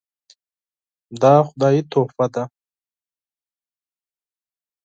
دا خدایي تحفه ده .